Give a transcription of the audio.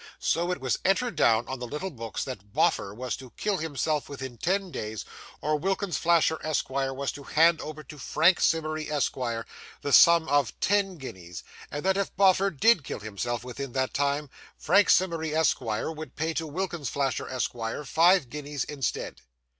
So it was entered down on the little books that Boffer was to kill himself within ten days, or Wilkins Flasher, Esquire, was to hand over to Frank Simmery, Esquire, the sum of ten guineas; and that if Boffer did kill himself within that time, Frank Simmery, Esquire, would pay to Wilkins Flasher, Esquire, five guineas, instead.